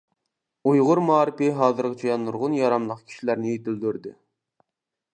ئۇيغۇر مائارىپى ھازىرغىچە نۇرغۇن ياراملىق كىشىلەرنى يېتىلدۈردى.